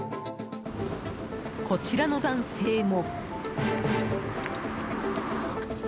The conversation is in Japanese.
こちらの男性も。